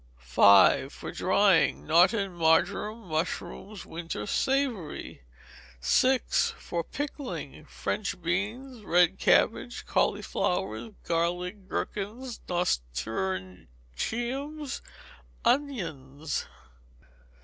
v. For Drying. Knotted marjoram, mushrooms, winter savoury. vi. For Pickling. French beans, red cabbage, cauliflowers, garlic, gherkins, nasturtiums, onions.